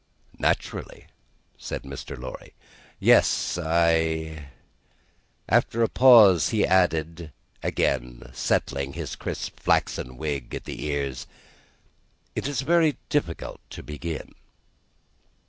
"Naturally," said Mr. Lorry. "Yes I " After a pause, he added, again settling the crisp flaxen wig at the ears, "It is very difficult to begin."